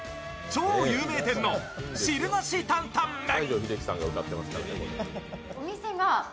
超有名店の汁なし担担麺。